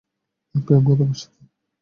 প্রেমও তোমার সাথে?